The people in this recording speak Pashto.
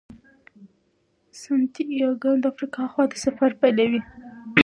سانتیاګو د افریقا خواته سفر پیلوي.